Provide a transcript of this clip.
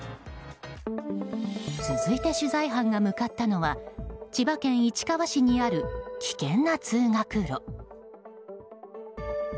続いて取材班が向かったのは千葉県市川市にある危険な通学路。